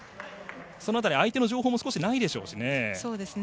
その辺り、相手の情報もないでしょうしね。